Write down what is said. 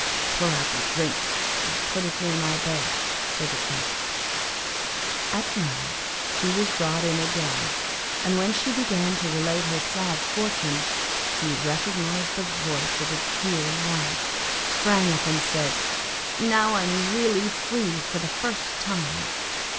'Pour out the drink, and put it near my bed,' said the Prince. At night she was brought in again, and when she began to relate her sad fortunes he recognised the voice of his dear wife, sprang up, and said, 'Now I am really free for the first time.